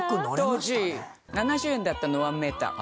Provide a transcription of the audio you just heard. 当時７０円だったの１メーター。